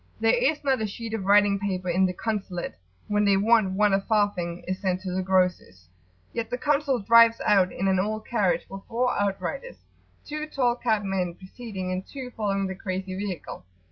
There is not a sheet of writing paper in the "Consulate" when they want one a farthing is sent to the grocer's yet the Consul drives out in an old carriage with four outriders, two tall capped men preceding and two following the crazy vehicle.